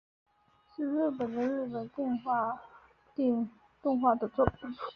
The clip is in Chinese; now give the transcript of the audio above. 是日本的日本电视动画的作品。